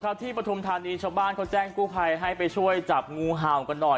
ที่ปฐุมธานีชาวบ้านเขาแจ้งกู้ภัยให้ไปช่วยจับงูเห่ากันหน่อย